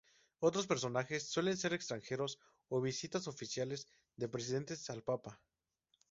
Otros personajes; Suelen ser extranjeros o visitas oficiales de presidentes al papa.